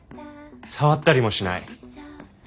触ったりもしない。